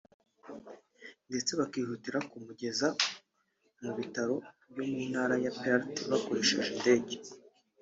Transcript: ndetse bakihutira ku mugeza mu bitaro byo mu ntara ya Perth bakoresheje indege